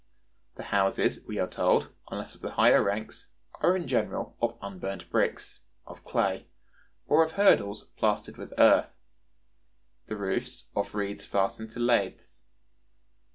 The houses, we are told, unless of the higher ranks, are in general of unburnt bricks, of clay, or of hurdles plastered with earth; the roofs, of reeds fastened to laths.